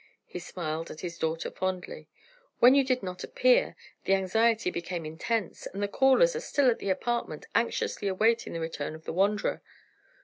He smiled at his daughter fondly. "When you did not appear, the anxiety became intense, and the callers are still at the apartment anxiously awaiting the return of the wanderer."